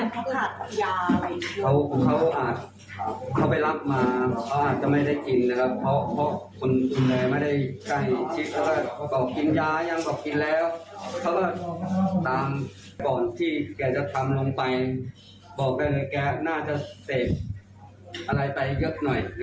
บอกได้เลยแกน่าจะเสพอะไรไปเยอะหน่อยครับแกจึงมีประสาทหลอนนะครับ